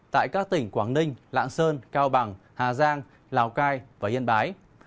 tại các tỉnh quảng ninh lạng sơn cao bằng hà giang lào cai và yên bái